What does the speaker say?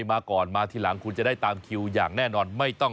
วันละประมาณ๔๐๐อัน